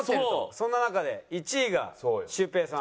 そんな中で１位がシュウペイさん。